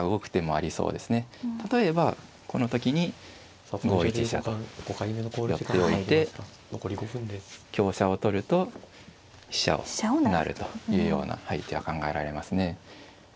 例えばこの時に５一飛車と寄っておいて香車を取ると飛車を成るというような手は考えられますね。